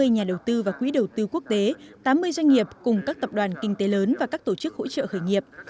hai mươi nhà đầu tư và quỹ đầu tư quốc tế tám mươi doanh nghiệp cùng các tập đoàn kinh tế lớn và các tổ chức hỗ trợ khởi nghiệp